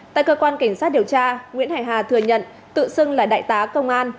tại cơ quan cảnh sát điều tra nguyễn hải hà thừa nhận tự xưng là đại tá công an